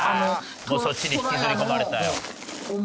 もうそっちに引きずり込まれたよ。